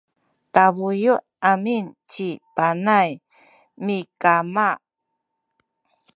tabuyu’ amin cini Panay mikama